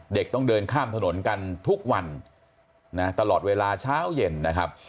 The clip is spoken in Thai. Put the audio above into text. เด็กต้องเดินข้ามถนนกันทุกวันนะตลอดเวลาเช้าเย็นนะครับ